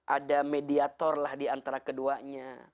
ada mediator lah diantara keduanya